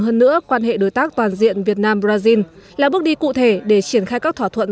hơn nữa quan hệ đối tác toàn diện việt nam brazil là bước đi cụ thể để triển khai các thỏa thuận